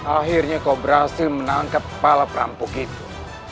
akhirnya kau berhasil menangkap pala perampok itu